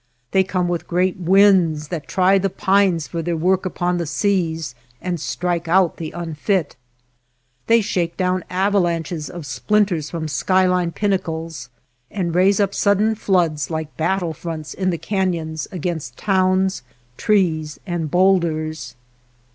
They come with great winds that try the pines for their work upon the seas and strike out the unfit They shake down avalanches of splinters from sky line pinnacles and raise up sudden floods like battle fronts in the cafions against towns, trees, and boulders.